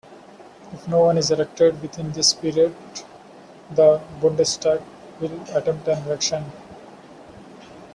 If no one is elected within this period, the "Bundestag" will attempt an election.